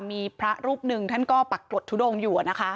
มีพระรูปหนึ่งท่านก็ปรากฏทุดงอยู่